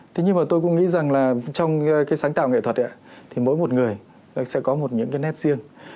thế nhưng mà tôi cũng nghĩ rằng là trong cái sáng tạo nghệ thuật thì mỗi một người sẽ có một những cái nét riêng